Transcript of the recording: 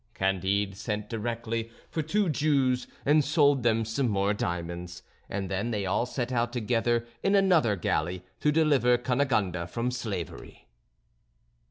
Candide sent directly for two Jews and sold them some more diamonds, and then they all set out together in another galley to deliver Cunegonde from slavery.